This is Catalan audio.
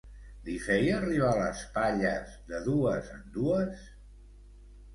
Li feia arribar les palles de dues en dues?